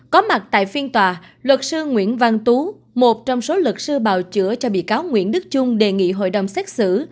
có mặt tại phiên tòa luật sư nguyễn văn tú một trong số luật sư bào chữa cho bị cáo nguyễn đức trung đề nghị hội đồng xét xử